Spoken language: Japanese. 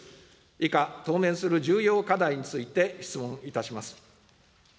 以下、当面する重要課題について質問いたします。